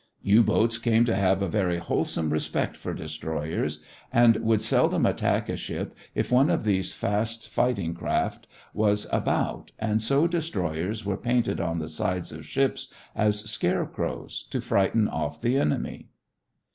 U boats came to have a very wholesome respect for destroyers and would seldom attack a ship if one of these fast fighting craft was about, and so destroyers were painted on the sides of ships as scarecrows to frighten off the enemy.